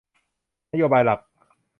นโยบายหลัก